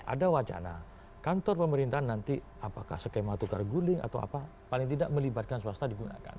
ada wacana kantor pemerintahan nanti apakah skema tukar guling atau apa paling tidak melibatkan swasta digunakan